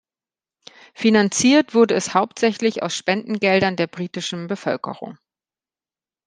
Finanziert wurde es hauptsächlich aus Spendengeldern der britischen Bevölkerung.